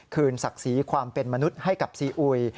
ศักดิ์ศรีความเป็นมนุษย์ให้กับซีอุย